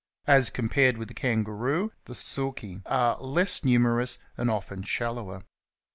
As compared with the Kangaroo^, the sulci are less numerous and often shallower.